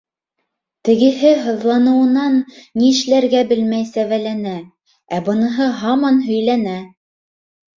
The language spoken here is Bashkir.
Тегеһе һыҙланыуынан ни эшләргә белмәй сәбәләнә, ә быныһы һаман һөйләнә.